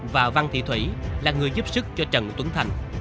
và văn thị thủy là người giúp sức cho trần tuấn thành